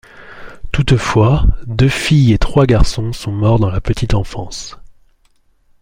Toutefois, deux filles et trois garçons sont morts dans la petite enfance.